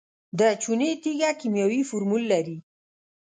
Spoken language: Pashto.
د چونې تیږه کیمیاوي فورمول لري.